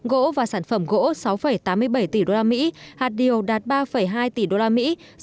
gỗ và sản phẩm gỗ sáu tám mươi bảy tỷ đô la mỹ hạt điều đạt ba hai tỷ đô la mỹ